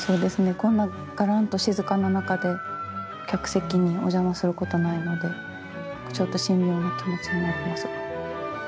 こんながらんと静かな中で客席にお邪魔することないのでちょっと神妙な気持ちになりますが。